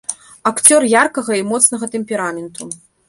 Акцёр яркага і моцнага тэмпераменту.